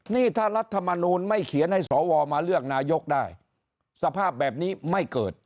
นี่ถ้ารัฐมนูลไม่เขียนให้สวมาเลือกนายกได้สภาพแบบนี้ไม่เกิด